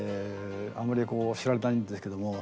あんまりこう知られてないんですけども。